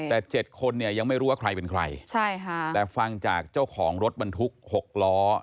แต่๗คนเนี่ยยังไม่รู้ว่าใครเป็นใครใช่ค่ะแต่ฟังจากเจ้าของรถบรรทุกหกล้อ